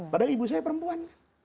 padahal ibu saya perempuan